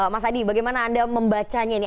mas adi bagaimana anda membacanya ini